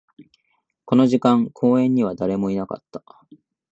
この時間、公園には誰もいなかった